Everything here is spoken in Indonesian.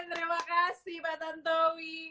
terimakasih pak tantowi